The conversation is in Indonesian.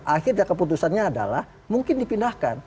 akhirnya keputusannya adalah mungkin dipindahkan